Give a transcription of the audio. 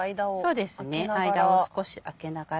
間を空けながら？